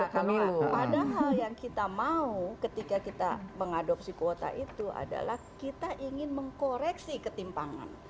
padahal yang kita mau ketika kita mengadopsi kuota itu adalah kita ingin mengkoreksi ketimpangan